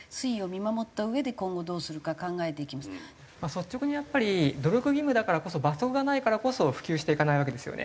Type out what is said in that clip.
率直にやっぱり努力義務だからこそ罰則がないからこそ普及していかないわけですよね。